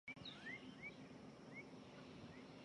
波兰驻渥太华大使向的国家特殊服务小组提出申诉。